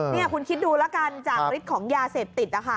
นี่คุณคิดดูแล้วกันจากฤทธิ์ของยาเสพติดนะคะ